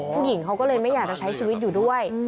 ผู้หญิงเขาก็เลยไม่อยากจะใช้ชีวิตอยู่ด้วย